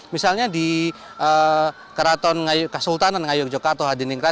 misalnya di keraton ngyayug kesultanan ngyayug jogarta